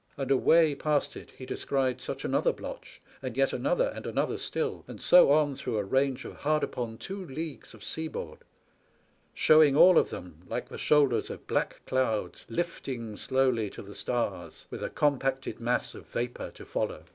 And away past it ho descried such another blotch, and yet another and another still, and so on through a range of hard upon two leagues of seaboard; showing, all of them, hke the shoulders of black clouds lifting slowly to the stars, with a compacted mass of vapour to follow.